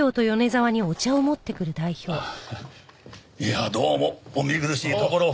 いやどうもお見苦しいところを。